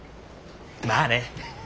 まあね。